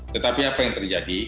tetapi apa yang terjadi